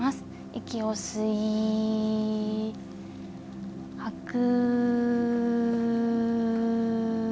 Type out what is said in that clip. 息を吸い、吐く。